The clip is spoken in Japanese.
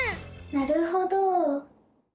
なるほど！